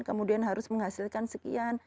kemudian harus menghasilkan sekian